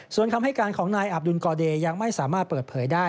ส่วนคำให้การของนายอับดุลกอเดย์ยังไม่สามารถเปิดเผยได้